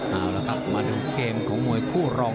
เอาละครับมาดูเกมของมวยคู่รอง